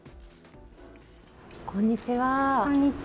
こんにちは。